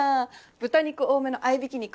豚肉多めの合いびき肉。